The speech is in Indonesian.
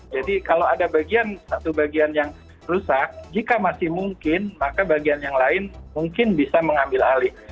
jadi kalau ada bagian satu bagian yang rusak jika masih mungkin maka bagian yang lain mungkin bisa mengambil alih